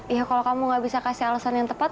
ya kalau kamu gak bisa kasih alasan yang tepat